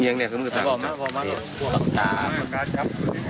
มือสร้างครับ